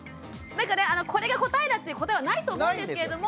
だからこれが答えだっていう答えはないと思うんですけれども。